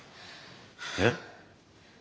えっ？